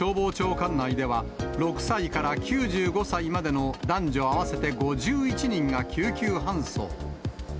管内では、６歳から９５歳までの男女合わせて５１人が救急搬送。